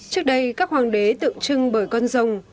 trước đây các hoàng đế tượng trưng bởi con rồng